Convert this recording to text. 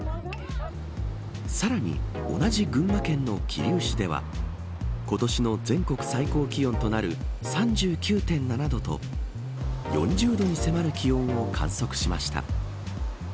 さらに同じ群馬県の桐生市では今年の全国最高気温となる３９．７度と４０度に迫る気温を観測しました。